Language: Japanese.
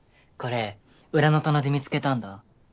これ裏の棚で見つけたんだ。